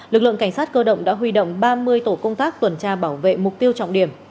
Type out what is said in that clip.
lực lượng cảnh sát cơ động đã huy động ba mươi tổ công tác tuần tra bảo vệ mục tiêu trọng điểm